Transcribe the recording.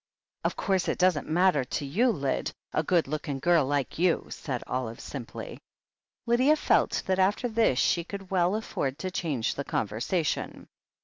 "Of course, it doesn't matter to you, Lyd — ^a good looking gurl like you," said Olive simply. Lydia felt that after this she could well afford to change the conversation.